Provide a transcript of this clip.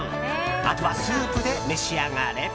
あとはスープで召し上がれ。